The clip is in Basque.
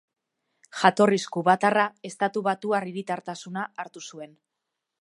Jatorriz kubatarra, estatubatuar hiritartasuna hartu zuen.